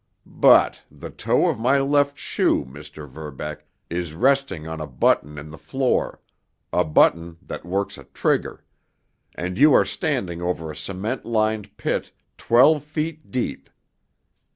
But the toe of my left shoe, Mr. Verbeck, is resting on a button in the floor—a button that works a trigger—and you are standing over a cement lined pit twelve feet deep.